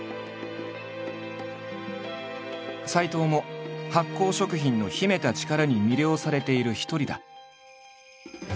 斎藤も発酵食品の秘めた力に魅了されている一人だ。